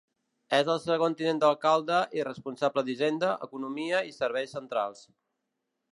És el segon tinent d'alcalde i responsable d'Hisenda, Economia i Serveis Centrals.